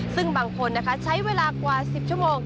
ซึ่งบางคนใช้เวลากว่า๑๐ชั่วโมง